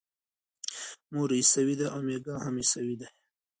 مور یې عیسویه ده او میکا هم عیسوی دی.